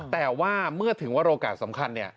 แต่ว่าเมื่อถึงว่าโอกาสสำคัญเนี่ย